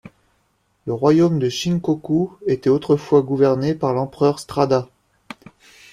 Le royaume du Shinkoku était autrefois gouverné par l'Empereur Strada.